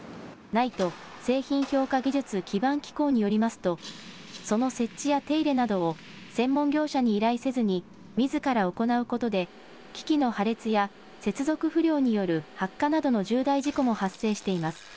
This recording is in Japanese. ＮＩＴＥ・製品評価技術基盤機構によりますとその設置や手入れなどを専門業者に依頼せずにみずから行うことで機器の破裂や接続不良による発火などの重大事故も発生しています。